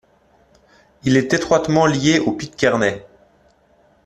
Il est étroitement lié au Pitcairnais.